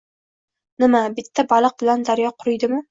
Nima, bitta baliq bilan daryo quriydimi?